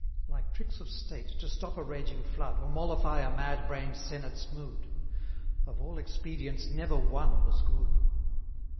Like tricks of state, to stop a raging flood, Or mollify a mad brain'd senate's mood: Of all expedients never one was good.